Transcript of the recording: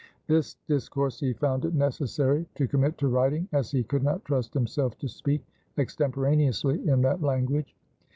This discourse he found it necessary to commit to writing, as he could not trust himself to speak extemporaneously in that language.